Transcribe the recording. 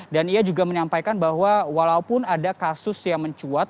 dan ia juga menyampaikan bahwa walaupun ada kasus yang mencuat